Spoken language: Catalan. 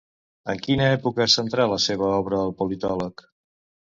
En quina època centrà la seva obra el politòleg?